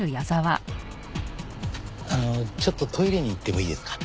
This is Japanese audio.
あのちょっとトイレに行ってもいいですか？